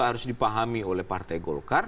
harus dipahami oleh partai golkar